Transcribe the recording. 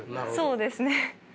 そうですね。